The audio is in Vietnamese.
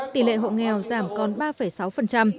tỷ lệ hộ nghèo giảm còn ba sáu